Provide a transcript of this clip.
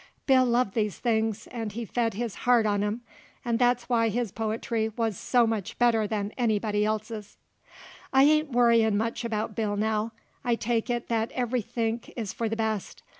Bill loved these things, and he fed his heart on 'em, and that's why his po'try wuz so much better than anybody else's. I ain't worryin' much about Bill now; I take it that everythink is for the best.